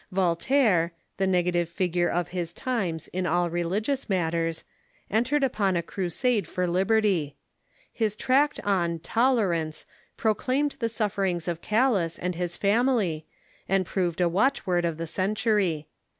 Voltaire, the negative figure of his times in all religious matters, entered upon a crusade for liberty. His tract on " Tolerance " proclaimed the sufferings of Galas and his family, and proved a watchword of the century.